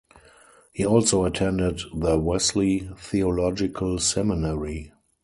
He also attended the Wesley Theological Seminary.